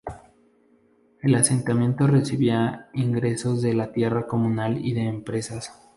El asentamiento recibía ingresos de la tierra comunal y de empresas.